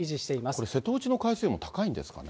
これ瀬戸内の海水温、高いんですかね。